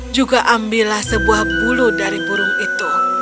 juga ambillah sebuah bulu dari burung itu